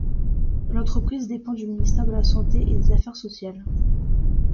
L'entreprise dépend du ministère de la santé et des affaires sociales.